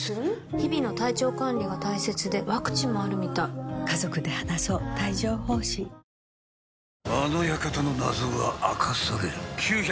日々の体調管理が大切でワクチンもあるみたいえっ！！